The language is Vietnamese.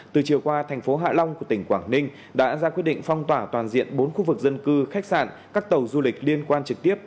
từ chiều qua thành phố hạ long của tỉnh quảng ninh đã ra quyết định phong tỏa toàn diện bốn khu vực dân cư khách sạn các tàu du lịch liên quan trực tiếp